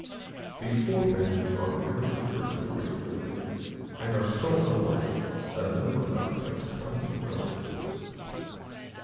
These four families are very different in their ways of living and are so unlike that one would not expect to find them relatives.